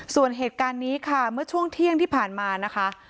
ส่วนเหตุการณ์นี้ค่ะเมื่อช่วงเที่ยงที่ผ่านมานะคะ